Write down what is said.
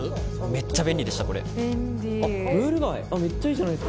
めっちゃ便利でしたこれ。